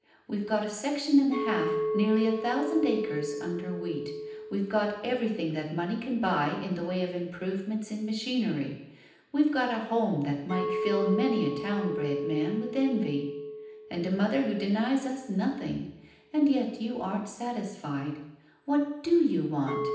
We've got a section and a half, nearly a thousand acres, under wheat; we've got everything that money can buy in the way of improvements in machinery; we've got a home that might fill many a town bred man with envy, and a mother who denies us nothing; and yet you aren't satisfied. What do you want?